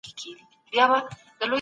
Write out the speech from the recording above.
انسان بايد د نورو عزت هم وساتي.